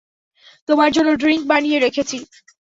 তোমার জন্য ড্রিঙ্ক বানিয়ে রেখেছি।